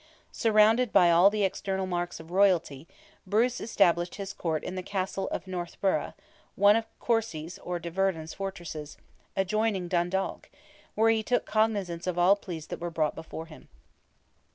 Surrounded by all the external marks of royalty, Bruce established his court in the castle of Northburgh (one of de Courcy's or de Verdon's fortresses), adjoining Dundalk, where he took cognizance of all pleas that were brought before him.